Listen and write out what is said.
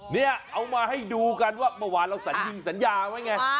เนี่ยเอามาให้ดูกันว่าเมื่อวานเราสัญญิงสัญญาไว้ไง